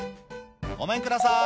「ごめんください